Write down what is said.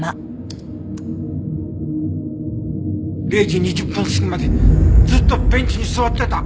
０時２０分過ぎまでずっとベンチに座ってた！